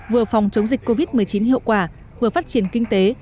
vừa phòng chống dịch covid một mươi chín hiệu quả vừa phát triển kinh tế